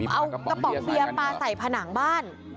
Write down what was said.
เอากระป๋องเบียร์ปลาใส่ผนังบ้าน